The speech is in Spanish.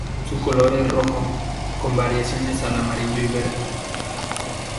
Su color es rojo, con variaciones al amarillo y verde.